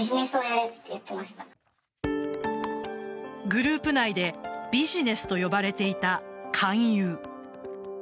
グループ内でビジネスと呼ばれていた勧誘。